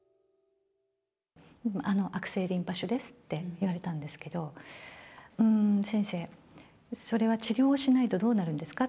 悪性リンパ腫ですって言われたんですけど、うーん、先生、それは治療しないとどうなるんですか？